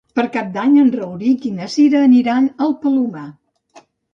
Per Cap d'Any en Rauric i na Cira aniran al Palomar.